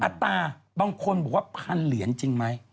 อัตราบางคนบอกว่าพันเหรียญจริงไหม